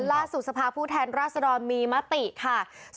ล่าสู่สภาพื้นแทนราษฎรมีมติค่ะ